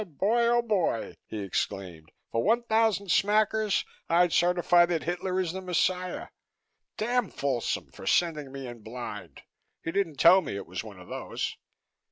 "Boy, oh boy!" he exclaimed, "for one thousand smackers I'd certify that Hitler is the Messiah. Damn Folsom for sending me in blind! He didn't tell me it was one of those."